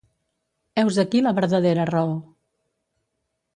Heus aquí la verdadera raó.